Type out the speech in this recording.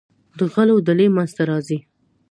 د غلو ډلې منځته راځي.